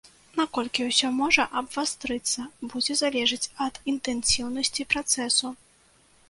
Наколькі ўсё можа абвастрыцца, будзе залежаць ад інтэнсіўнасці працэсу.